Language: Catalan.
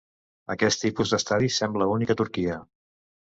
Aquest tipus d'estadi sembla únic a Turquia.